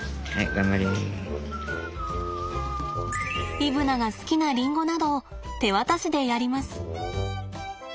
イブナが好きなりんごなどを手渡しでやります。